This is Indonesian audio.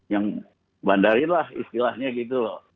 yang bandarin lah istilahnya gitu loh